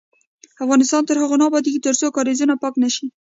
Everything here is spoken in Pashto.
افغانستان تر هغو نه ابادیږي، ترڅو کاریزونه پاک نشي.